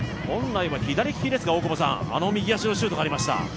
本来は左利きですが、あの右足のシュートがありました。